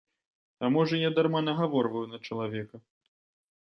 А можа, я дарма нагаворваю на чалавека.